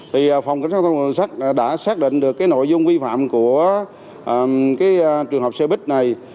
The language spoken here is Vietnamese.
thì phòng cảnh sát giao thông đường bộ đường xác đã xác định được nội dung vi phạm của trường hợp xe buýt này